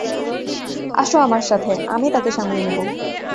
আসো আমার সাথে, আমি তাকে সামলে নেব।